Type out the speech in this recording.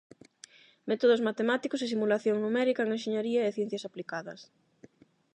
Métodos matemáticos e simulación numérica en enxeñaría e ciencias aplicadas.